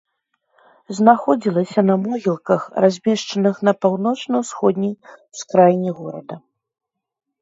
Знаходзілася на могілках, размешчаных на паўночна-ўсходняй ускраіне горада.